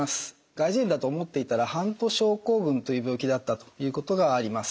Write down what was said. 外耳炎だと思っていたらハント症候群という病気であったということがあります。